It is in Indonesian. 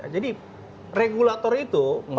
jadi regulator itu perannya itu tidak buka